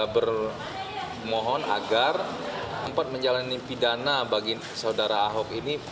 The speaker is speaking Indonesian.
bermohon agar tempat menjalani pidana bagi saudara ahok ini